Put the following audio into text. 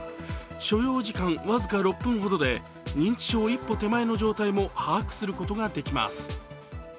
所要時間僅か６分ほどで、認知症一歩手前の状態も把握することができます。